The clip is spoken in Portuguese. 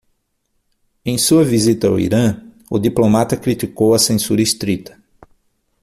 Em sua visita ao Irã, o diplomata criticou a censura estrita.